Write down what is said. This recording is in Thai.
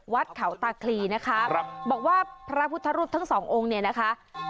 วัดเขาตาคลีนะคะบอกว่าพระพุทธรูปทั้งสององค์เนี่ยนะคะ